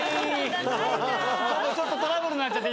ちょっとトラブルになっちゃって。